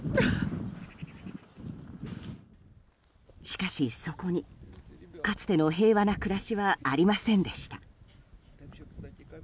しかし、そこにかつての平和な暮らしはありませんでした。